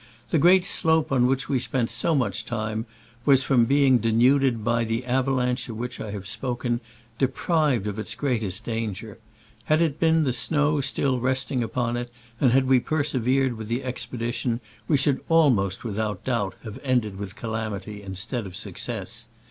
The great slope on which we spent so much time was, from being denuded by the avalanche of which I have spoken, deprived of its greatest danger. Had it had the snow still rest ing upon it, and had we persevered with the expedition, we should almost without doubt have ended with calamity instead of success.